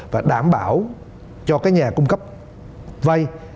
và đảm bảo cho cái nhà cung cấp vay